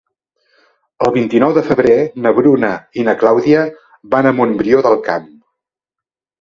El vint-i-nou de febrer na Bruna i na Clàudia van a Montbrió del Camp.